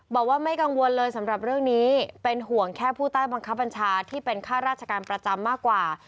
บอกว่าไม่กังวลเลยสำหรับเรื่องนี้เป็นห่วงแค่ผู้ใต้บังคับบัญชาที่เป็นข้าราชการประจำมากกว่า